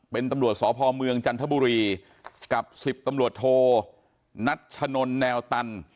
เป็นตำรวจสพเมืองจันทบุรีกับ๑๐ตำรวจโทนัชนนแนวตัน